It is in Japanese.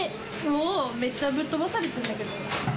うおめっちゃぶっとばされてるんだけど。